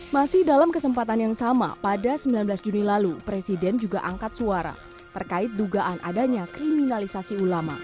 masih dalam kesempatan yang sama pada sembilan belas juni lalu presiden juga angkat suara terkait dugaan adanya kriminalisasi ulama